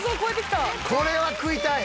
これは食いたい！